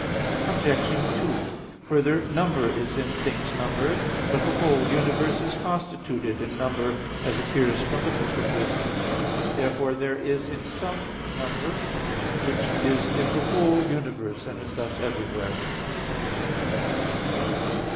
Obj. 2: Further, number is in things numbered. But the whole universe is constituted in number, as appears from the Book of Wisdom (Wis. 11:21). Therefore there is some number which is in the whole universe, and is thus everywhere.